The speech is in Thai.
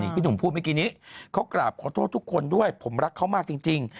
พี่หนุ่มพูดเมื่อกี้นี้เขากราบขอโทษทุกคนด้วยผมรักเขามากจริง